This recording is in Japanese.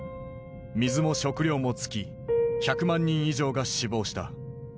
水も食料も尽き１００万人以上が死亡した。